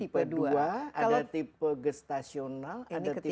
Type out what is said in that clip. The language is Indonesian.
tipe dua ada tipe gestasional ada tipe